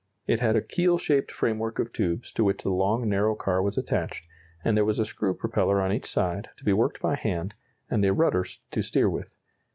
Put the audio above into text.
It had a keel shaped framework of tubes to which the long narrow car was attached, and there was a screw propeller on each side, to be worked by hand, and a rudder to steer with.